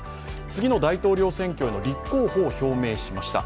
次の大統領選挙への立候補を表明しました。